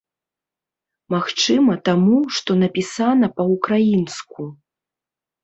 Магчыма, таму, што напісана па-ўкраінску.